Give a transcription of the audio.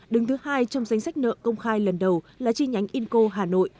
đứng thứ hai trong danh sách nợ công khai lần đầu là chi nhánh inco hà nội